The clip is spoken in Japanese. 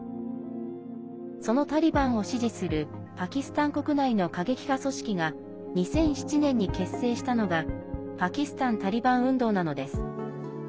そのタリバンを支持するパキスタン国内の過激派組織が２００７年に結成したのがパキスタン・タリバン運動なのです。